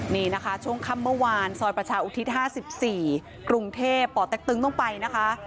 นี่นะคะช่วงค่ำเมื่อวานซอยประชาอุทิศ๕๔กรุงเทพป่อเต็กตึงต้องไปนะคะ